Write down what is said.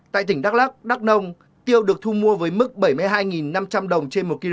tại tỉnh đắk lắk đắk nông tiêu được thu mua với mức bảy mươi hai năm trăm linh đồng